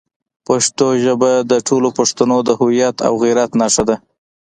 پښتو ژبه د ټولو پښتنو د هویت او غیرت نښه ده.